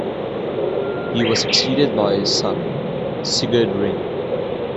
He was succeeded by his son Sigurd Ring.